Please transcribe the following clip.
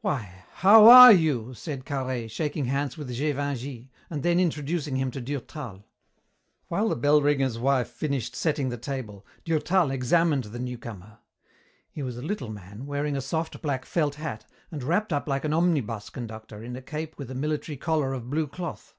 "Why, how are you!" said Carhaix, shaking hands with Gévingey, and then introducing him to Durtal. While the bell ringer's wife finished setting the table, Durtal examined the newcomer. He was a little man, wearing a soft black felt hat and wrapped up like an omnibus conductor in a cape with a military collar of blue cloth.